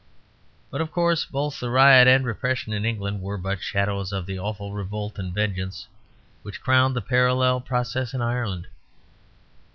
But, of course, both the riot and repression in England were but shadows of the awful revolt and vengeance which crowned the parallel process in Ireland.